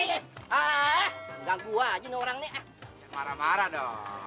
ini baca ada aja passado